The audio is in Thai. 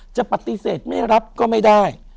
จะปฏิเสธไม่รับก็ไม่ได้